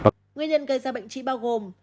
nguyên nhân gây ra bệnh trí bao gồm